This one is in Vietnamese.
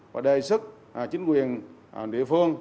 và đề xuất chính quyền địa phương